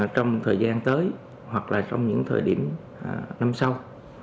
trong thời gian tới hoặc là trong những thời điểm năm sau